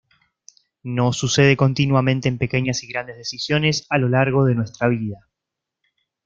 Nos sucede continuamente en pequeñas y grandes decisiones a lo largo de nuestra vida.